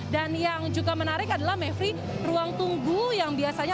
dan yang juga menarik adalah mevri ruang tunggu yang biasanya